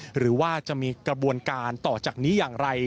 หรือว่าจะมีกระบวนการต่อจากนี้อย่างไร